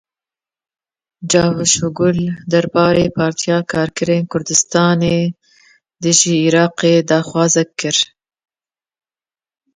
Çavuşoglu derbarê Partiya Karkerên Kurdistanê de ji Iraqê daxwazek kir.